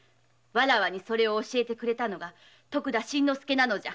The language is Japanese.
それを教えてくれたのが徳田新之助なのじゃ。